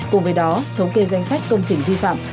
cùng với đó thống kê danh sách công trình vi phạm